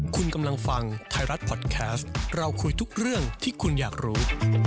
คุณกำลังฟังไทยรัฐพอดแคสต์เราคุยทุกเรื่องที่คุณอยากรู้